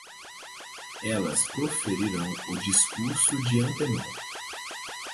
Elas proferirão o discurso de antemão